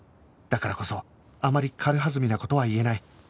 だからこそあまり軽はずみな事は言えない